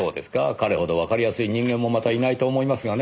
彼ほどわかりやすい人間もまたいないと思いますがね。